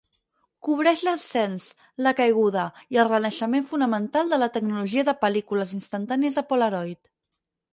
Cobreix l'ascens, la caiguda i el renaixement fonamental de la tecnologia de pel·lícules instantànies de Polaroid.